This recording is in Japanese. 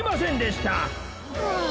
はあ。